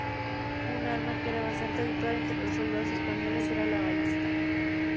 Un arma que era bastante habitual entre los soldados españoles era la ballesta.